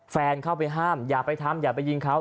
แฟนเข้าไปห้ามอย่าไปทำอย่าไปยิงเขา